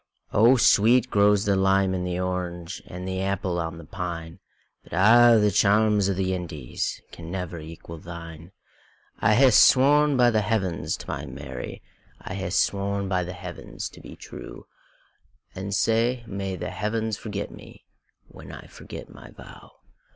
O sweet grows the lime and the orange, And the apple on the pine; But a' the charms o' the IndiesCan never equal thine.I hae sworn by the Heavens to my Mary,I hae sworn by the Heavens to be true; And sae may the Heavens forget me, When I forget my vow!